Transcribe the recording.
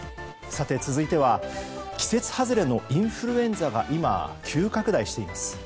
続いては季節外れのインフルエンザが今、急拡大しています。